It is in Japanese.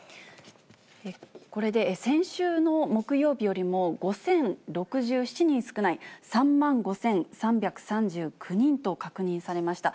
これで先週の木曜日よりも、５０６７人少ない、３万５３３９人と確認されました。